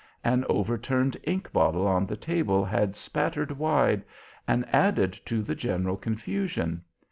An overturned ink bottle on the table had spattered wide, and added to the general confusion.